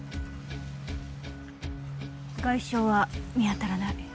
外傷は見当たらない。